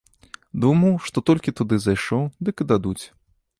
Думаў, што толькі туды зайшоў, дык і дадуць.